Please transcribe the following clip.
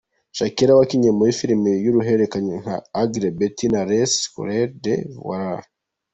Shakira yakinnye mu mafilimi y’uruhererekane nka Ugly Betty na Les sorciers de Waverly.